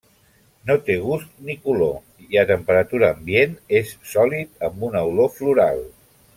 No té gust, ni color i a temperatura ambient és sòlid amb una olor floral.